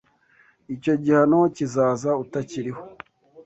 icyo gihano kizaza utakiriho